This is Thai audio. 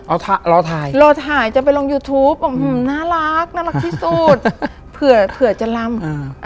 อ้าวรอถ่ายรอถ่ายจะไปลองยูทูปอื้มน่ารักน่ารักที่สุดเผื่อเผื่อจะลำ